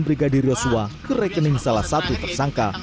brigadir yosua ke rekening salah satu tersangka